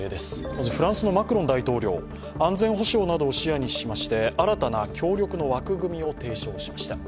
まずフランスのマクロン大統領、安全保障などを視野にしまして新たな協力の枠組みを提唱しました。